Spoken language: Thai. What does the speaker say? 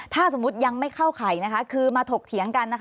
ถ้าสมมติยังไม่เข้าข่ายคือมาถกเถียงกัน